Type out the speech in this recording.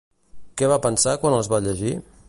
Què va pensar quan els va llegir?